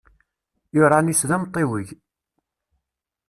Uranus d amtiweg.